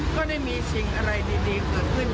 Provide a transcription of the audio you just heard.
ก็ได้มีสิ่งอะไรดีเกิดขึ้น